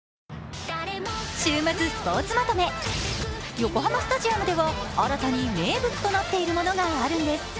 横浜スタジアムでは新たに名物となっているものがあるんです。